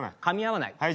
かみ合わない。